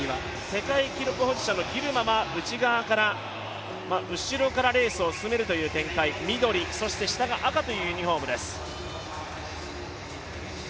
世界記録保持者のギルマが後ろからレースを進めるという展開、緑、そして下が赤というユニフォームです。